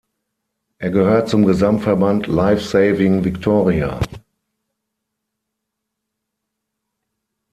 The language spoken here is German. Er gehört zum Gesamtverband "Life Saving Victoria".